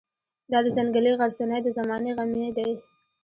دا د ځنګلي غرڅنۍ د زمانې غمی دی.